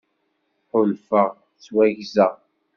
Ḥulfaɣ ttwaggzeɣ.